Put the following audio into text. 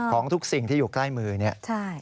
ของทุกสิ่งที่อยู่ใกล้มือเนี่ย